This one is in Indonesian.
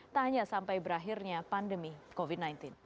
tak hanya sampai berakhirnya pandemi covid sembilan belas